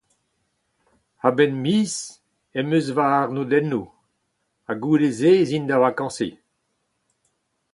A-benn miz em eus ma arnodennoù, ha goude-se ez in da vakañsiñ.